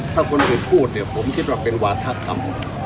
ถ้าคนอื่นพูดเนี่ยผมคิดว่าเป็นวาธกรรม